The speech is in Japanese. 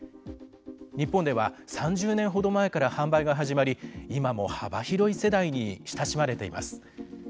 日本では、３０年ほど前から販売が始まり今も幅広い世代に親しまれています。